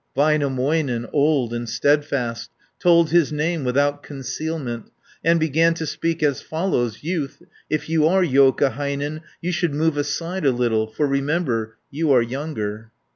Väinämöinen, old and steadfast, Told his name without concealment, And began to speak as follows: "Youth, if you are Joukahainen, You should move aside a little. For remember, you are younger."